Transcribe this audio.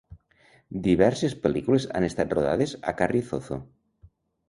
Diverses pel·lícules han estat rodades a Carrizozo.